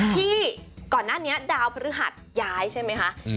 ที่ก่อนหน้านี้ดาวพฤหัสย้ายใช่ไหมคะ